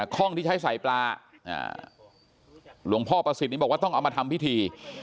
ข้องที่ใช้ใส่ปลาหลวงพ่อประสิทธิ์บอกว่าต้องเอามาทำพิธี